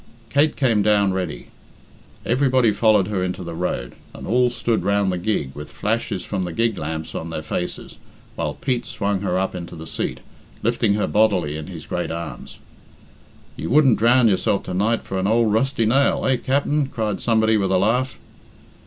Kate came down ready. Everybody followed her into the road, and all stood round the gig with flashes from the gig lamps on their faces, while Pete swung her up into the seat, lifting her bodily in his great arms. "You wouldn't drown yourself to night for an ould rusty nail, eh, Capt'n?" cried somebody with a laugh.